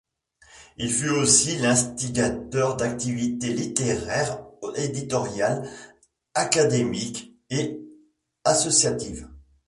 Il fut aussi l'instigateur d'activités littéraires, éditoriales, académiques et associatives.